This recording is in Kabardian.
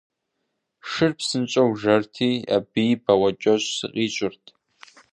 Шыр псынщӀэу жэрти, абыи бауэкӀэщӀ сыкъищӀырт.